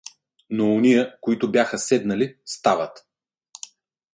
Но ония, които бяха седнали, стават.